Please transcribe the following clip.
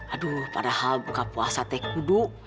aduh padahal buka puasa teh kudu